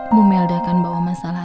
mumilda akan bawa masalah